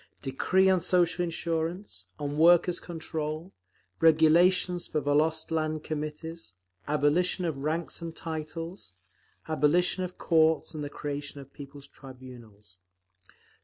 Decree on Social Insurance, on Workers' Control, Regulations for Volost Land Committees, Abolition of Ranks and Titles, Abolition of Courts and the Creation of People's Tribunals….